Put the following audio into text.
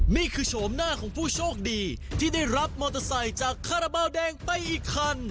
โฉมหน้าของผู้โชคดีที่ได้รับมอเตอร์ไซค์จากคาราบาลแดงไปอีกคัน